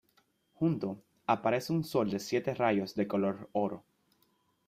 Junto, aparece un sol de siete rayos de color oro.